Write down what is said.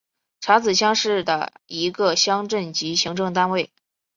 查孜乡是的一个乡镇级行政单位。